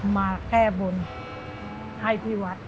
มาแก้บนให้ที่วัด